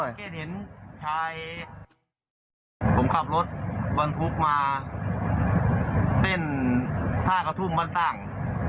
แค่เห็นชายผมขับรถบรรทุกมาเต้นท่ากระทุ่มบ้านสร้าง